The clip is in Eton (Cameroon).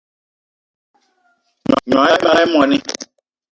Gnong ebag í moní